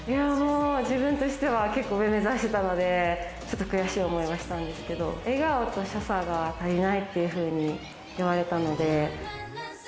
自分としては結構、上目指してたので、ちょっと悔しい思いはしたんですけど、笑顔と所作が足りないっていうふうに言われたので。